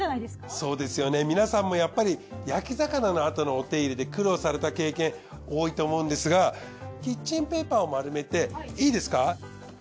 そうですよね皆さんもやっぱり焼魚のあとのお手入れで苦労された経験多いと思うんですがキッチンペーパーを丸めていいですか。